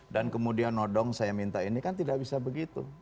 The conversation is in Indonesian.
dan kemudian nodong saya minta ini kan tidak bisa begitu